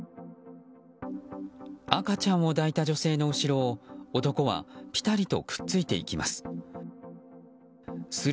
赤ちゃんを抱いた女性の後ろを男はぴたりとくっついていきます。